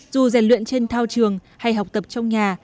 dù rèn luyện trên thao trường hay học tập trong nhà